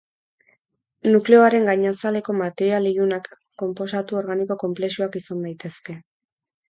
Nukleoaren gainazaleko material ilunak konposatu organiko konplexuak izan daitezke.